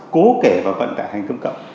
cố kể vào vận tải hành công cộng